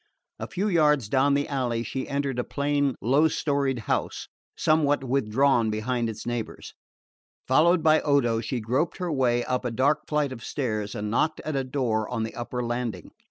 A few yards down the alley she entered a plain low storied house somewhat withdrawn behind its neighbours. Followed by Odo she groped her way up a dark flight of stairs and knocked at a door on the upper landing.